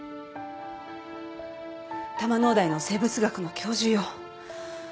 多摩農大の生物学の教授よ。